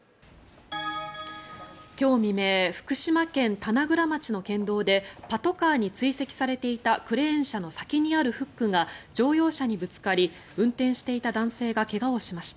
今日未明福島県棚倉町の県道でパトカーに追跡されていたクレーン車の先にあるフックが乗用車にぶつかり運転していた男性が怪我をしました。